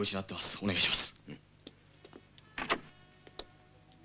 お願いします。